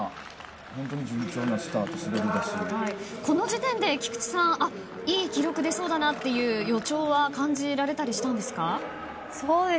この時点で、菊池さんはいい記録が出そうだなという予兆は感じられたりしたんですか。